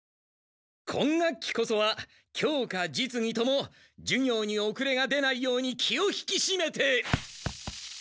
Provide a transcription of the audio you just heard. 今学期こそは教科実技とも授業におくれが出ないように気を引きしめて。